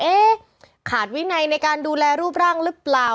ขาดวินัยในการดูแลรูปร่างหรือเปล่า